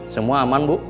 semua aman bu